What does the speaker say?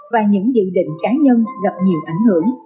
và những dự định cá nhân gặp nhiều thất vọng